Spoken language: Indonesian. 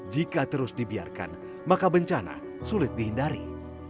jika terus dibiarkan maka bencana sulit dihindari